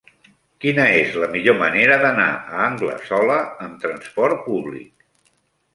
Quina és la millor manera d'anar a Anglesola amb trasport públic?